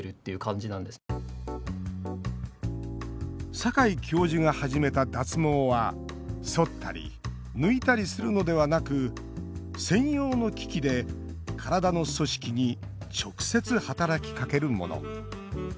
坂井教授が始めた脱毛はそったり抜いたりするのではなく専用の機器で体の組織に直接働きかけるもの。